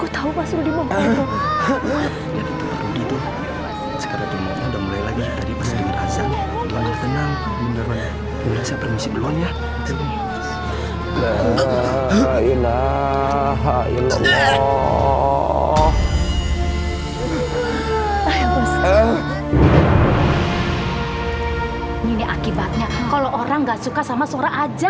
tidak ada kuasa dan upaya